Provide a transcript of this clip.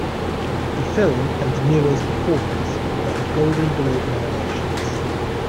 The film, and De Niro's performance, earned Golden Globe nominations.